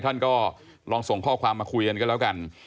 ท่านก็ลองส่งข้อความมาคุยกันก็แล้วกัน